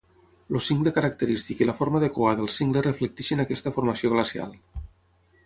El cingle característic i la forma de cua del cingle reflecteixen aquesta formació glacial.